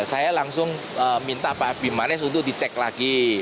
saya langsung minta pak bimanes untuk dicek lagi